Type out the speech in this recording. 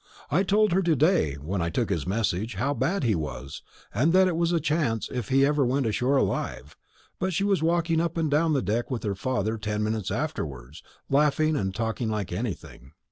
I told her to day when I took his message how bad he was, and that it was a chance if he ever went ashore alive; but she was walking up and down deck with her father ten minutes afterwards, laughing and talking like anything.